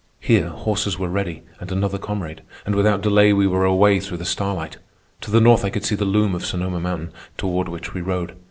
Here horses were ready and another comrade, and without delay we were away through the starlight. To the north I could see the loom of Sonoma Mountain, toward which we rode.